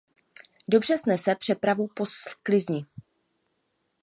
Dobře snese přepravu po sklizni.